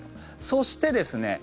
そしてですね